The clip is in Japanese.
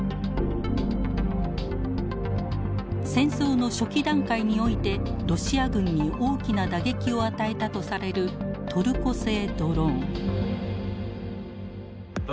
戦争の初期段階においてロシア軍に大きな打撃を与えたとされるトルコ製ドローン。